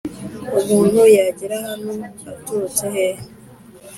umuntu yagera hano aturutse hehe